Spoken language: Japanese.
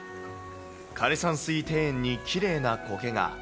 枯山水庭園にきれいなコケが。